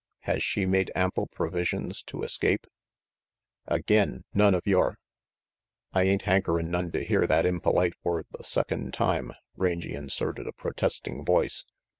Has she made ample provisions to escape?" "Again none of your " "I ain't hankerin' none to hear that impolite word the second time," Rangy inserted a protesting voice.